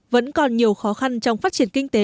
vẫn còn nhiều khó khăn trong phát triển kinh tế